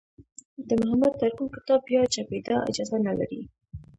د محمد ارکون کتاب بیا چاپېدا اجازه نه لري.